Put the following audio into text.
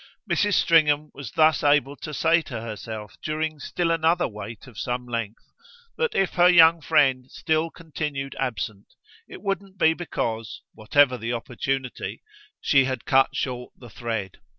Mrs. Stringham was thus able to say to herself during still another wait of some length that if her young friend still continued absent it wouldn't be because whatever the opportunity she had cut short the thread.